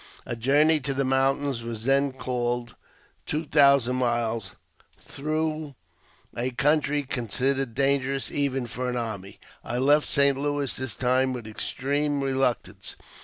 A journey to the mountains was then called two thousand miles, through a country considered dangerous even for an army. I left St. Louis this time with extreme reluctance.